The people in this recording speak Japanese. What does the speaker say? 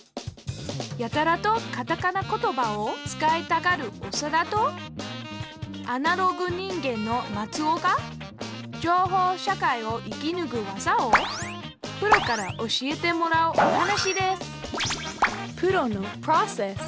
やたらとカタカナ言葉を使いたがるオサダとアナログ人間のマツオが情報社会を生きぬく技をプロから教えてもらうお話です